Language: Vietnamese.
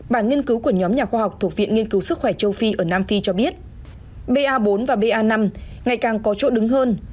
bản nghiên cứu của nhóm nhà khoa học thuộc viện nghiên cứu sức khỏe châu phi ở nam phi cho biết ba bốn và ba năm ngày càng có chỗ đứng hơn